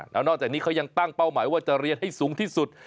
แล้วนอกจากนี้เขายังตั้งเป้าหมายว่าจะเรียนให้สูงที่สุด